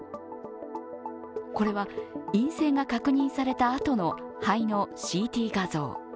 これは陰性が確認されたあとの肺のＣＴ画像。